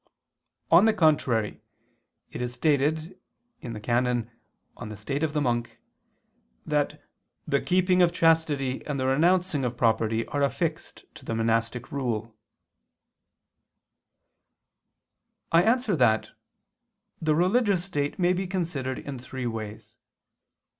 On the contrary, It is stated (Extra, de Statu Monach., cap. Cum ad monasterium) that "the keeping of chastity and the renouncing of property are affixed to the monastic rule." I answer that, The religious state may be considered in three ways.